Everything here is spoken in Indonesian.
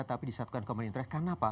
tapi disatukan dengan interest karena apa